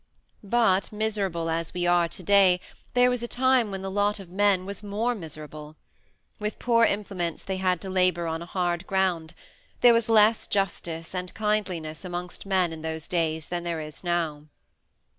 But miserable as we are to day, there was a time when the lot of men was more miserable. With poor implements they had to labor on a hard ground. There was less justice and kindliness amongst men in those days than there is now.